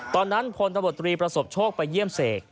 ตอนนั้นพลตบตรีประสบโชคไปเยี่ยมเสก